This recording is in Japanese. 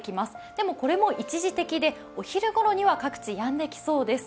でもこれも一時的でお昼ごろには各地、やんできそうです。